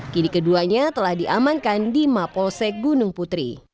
kini keduanya telah diamankan di mapolsek gunung putri